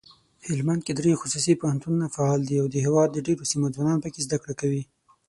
هلمندکې دري خصوصي پوهنتونونه فعال دي اودهیواد دډیروسیمو ځوانان پکښي زده کړه کوي.